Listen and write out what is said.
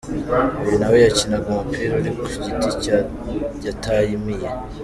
Uyu nawe yakinaga umupira uri ku giti yatamiye.